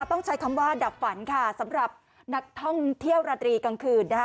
ต้องใช้คำว่าดับฝันค่ะสำหรับนักท่องเที่ยวราตรีกลางคืนนะคะ